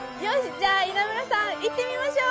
じゃぁ稲村さん行ってみましょう！